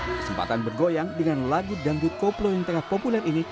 kesempatan bergoyang dengan lagu dangdut koplo yang tengah populer ini